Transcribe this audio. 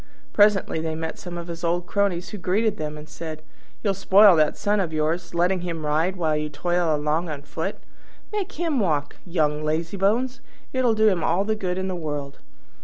Presently they met some of his old cronies, who greeted them and said, "You'll spoil that Son of yours, letting him ride while you toil along on foot! Make him walk, young lazybones! It'll do him all the good in the world."